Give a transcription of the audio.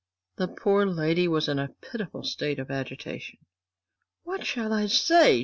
The poor lady was in a pitiful state of agitation. "What shall I say?"